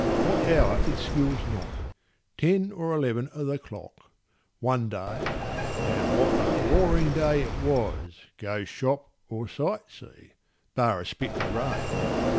— What hour it skills not: ten or eleven o' the clock, One day (and what a roaring day it was Go shop or sight see—bar a spit o' rain!)